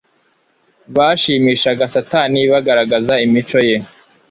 Bashimishaga Satani bagaragaza imico ye,